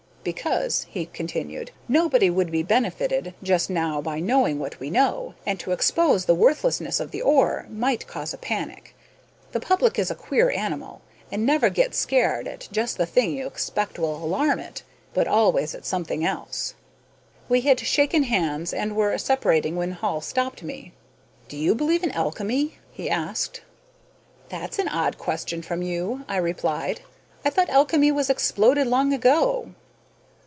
"Because," he continued, "nobody would be benefited just now by knowing what we know, and to expose the worthlessness of the 'ore' might cause a panic. The public is a queer animal, and never gets scared at just the thing you expect will alarm it, but always at something else." We had shaken hands and were separating when Hall stopped me. "Do you believe in alchemy?" he asked. "That's an odd question from you," I replied. "I thought alchemy was exploded long ago."